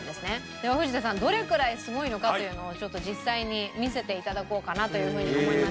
では藤田さんどれくらいすごいのかというのをちょっと実際に見せて頂こうかなというふうに思います。